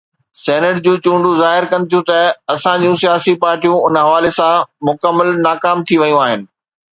Senate جون چونڊون ظاهر ڪن ٿيون ته اسان جون سياسي پارٽيون ان حوالي سان مڪمل ناڪام ويون آهن.